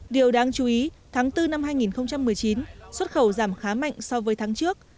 điều đáng chú ý tháng bốn năm hai nghìn một mươi chín xuất khẩu giảm khá mạnh so với tháng trước